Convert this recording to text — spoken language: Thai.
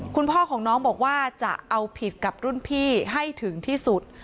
คุณพ่อของน้องบอกว่าจะเอาผิดกับรุ่นพี่ให้ถึงที่สุด